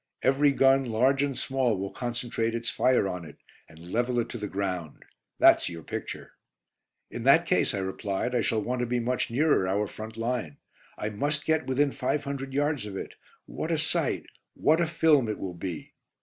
Every gun, large and small, will concentrate its fire on it, and level it to the ground. That's your picture." "In that case," I replied, "I shall want to be much nearer our front line. I must get within five hundred yards of it. What a sight! What a film it will be!"